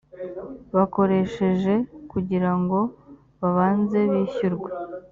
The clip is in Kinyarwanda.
bakoresheje kugira ngo babanze bishyurwe